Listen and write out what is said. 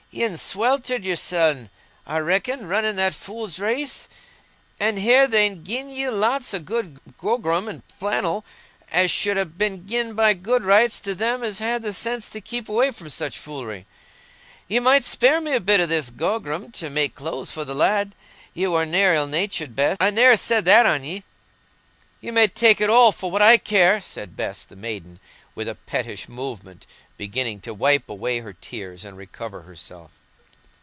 "Ye'n sweltered yoursen, I reckon, running that fool's race. An' here, they'n gi'en you lots o' good grogram and flannel, as should ha' been gi'en by good rights to them as had the sense to keep away from such foolery. Ye might spare me a bit o' this grogram to make clothes for the lad—ye war ne'er ill natured, Bess; I ne'er said that on ye." "Ye may take it all, for what I care," said Bess the maiden, with a pettish movement, beginning to wipe away her tears and recover herself.